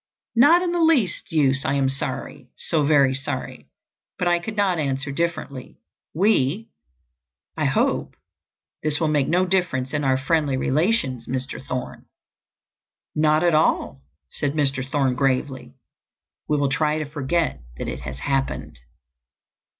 "Not in the least use. I am sorry—so very sorry—but I could not answer differently. We—I hope—this will make no difference in our friendly relations, Mr. Thorne?" "Not at all," said Mr. Thorne gravely. "We will try to forget that it has happened."